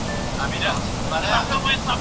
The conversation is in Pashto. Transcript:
د اجتماعي قضاوت په اړه پوښتنې باید روښانه سي.